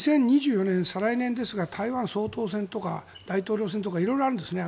２０２４年、再来年ですが台湾総統選とか大統領選とか色々あるんですね。